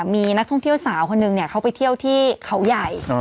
มีนักท่องเที่ยวสาวคนหนึ่งเขาไปเที่ยวที่เขาใหญ่